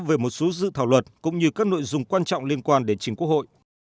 về một số dự thảo luật cũng như các nội dung quan trọng liên quan đến chính quốc hội